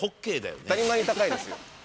当たり前に高いですよ。